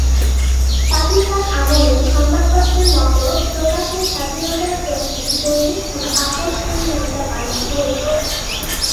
পাকিস্তান আমলে সংবাদপত্রের মত প্রকাশের স্বাধীনতার প্রশ্নে দৈনিকটি আপোষহীন ভূমিকা পালন করেছে।